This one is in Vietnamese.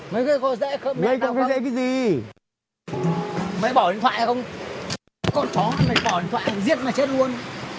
mấy cậu dễ không mấy cậu dễ cái gì mấy bỏ điện thoại không con chó này bỏ điện thoại giết mà chết luôn